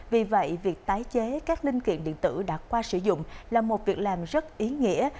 vì vậy việc tái chế các linh kiện điện tử đã qua sử dụng là một việc làm rất ý nghĩa